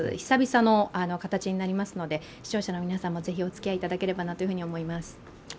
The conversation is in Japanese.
久々の形になりますので視聴者の皆さんもぜひおつきあいいただければなと思います。